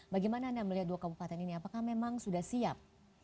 bagaimana anda melihat dua kabupaten ini apakah memang sudah siap